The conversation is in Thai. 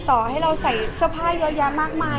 พอเสร็จจากเล็กคาเป็ดก็จะมีเยอะแยะมากมาย